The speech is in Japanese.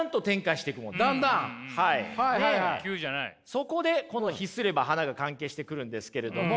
そこでこの「秘すれば花」が関係してくるんですけれども。